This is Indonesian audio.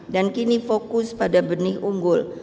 dan kini fokus pada benih unggul